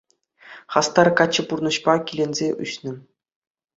Хастар каччӑ пурнӑҫпа киленсе ӳснӗ.